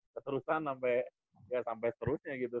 keterusan sampai ya sampai seterusnya gitu